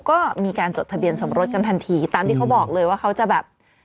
ก็มีการจดทะเบียนสมรสกันทันทีตามที่เขาบอกเลยว่าเขาจะแบบ